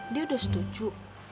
dia udah setuju